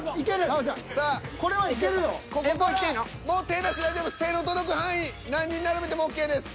手の届く範囲何人並べてもＯＫです。